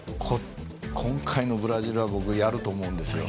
今回のブラジルは僕、やると思うんですよ。